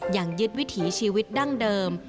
ยังยึดวิถีชีวิตดั้งเดิม